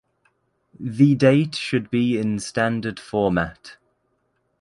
The date should be in standard format